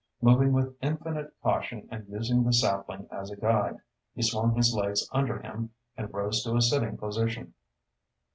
Moving with infinite caution and using the sapling as a guide, he swung his legs under him and rose to a sitting position.